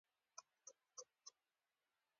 هغه خپل لاسي څراغ د تورې په څیر تاواوه